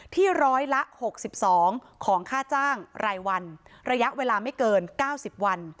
ร้อยละ๖๒ของค่าจ้างรายวันระยะเวลาไม่เกิน๙๐วัน